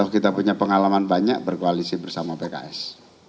kita punya pengalaman banyak berkoalisi bersama pks